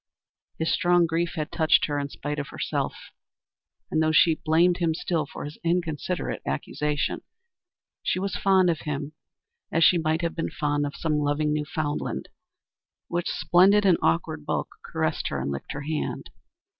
His strong grief had touched her in spite of herself, and, though she blamed him still for his inconsiderate accusation, she was fond of him as she might have been fond of some loving Newfoundland, which, splendid in awkward bulk, caressed her and licked her hand.